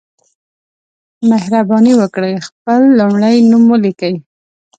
مهرباني وکړئ خپل لمړی نوم ولیکئ